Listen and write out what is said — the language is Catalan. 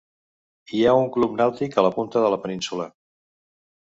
Hi ha un club nàutic a la punta de la península.